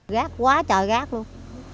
rác quá trời rác luôn